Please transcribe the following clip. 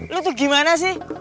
lo tuh gimana sih